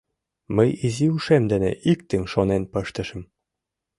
— Мый изи ушем дене иктым шонен пыштышым...